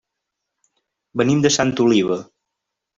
Venim de Santa Oliva.